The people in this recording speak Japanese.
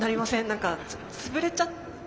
何か潰れちゃった。